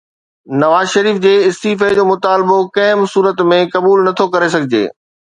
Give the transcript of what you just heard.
نواز شريف جي استعيفيٰ جو مطالبو ڪنهن به صورت ۾ قبول نه ٿو ڪري سگهجي.